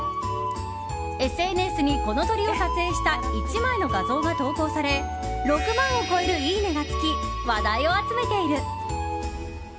ＳＮＳに、この鳥を撮影した１枚の画像が投稿され６万を超える、いいねがつき話題を集めている。